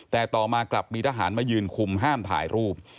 แต่ต่อมากลับมีทหารมายืนคุมห้ามถ่ายรูป